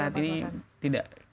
saat ini tidak